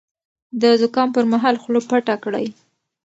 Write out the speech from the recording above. د زکام پر مهال خوله پټه کړئ.